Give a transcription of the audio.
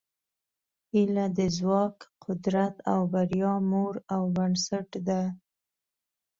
هیله د ځواک، قدرت او بریا مور او بنسټ ده.